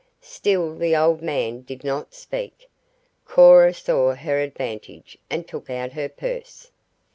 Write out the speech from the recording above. Still the old man did not speak. Cora saw her advantage and took out her purse.